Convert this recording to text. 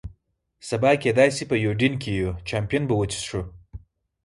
سبا کېدای شي په یوډین کې یو، چامپېن به وڅښو.